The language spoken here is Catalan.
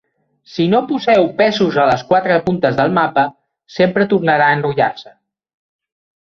Si no poseu pesos a les quatre puntes del mapa, sempre tornarà a enrotllar-se.